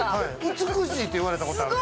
美しいって言われたことある。